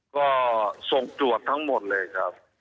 ก็ส่งตรวจทั้งหมดเลยครับ